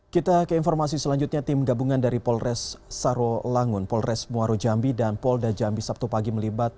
kita ke informasi selanjutnya tim gabungan dari polres saro langun polres muarujambi dan poldajambi sabtu pagi melibat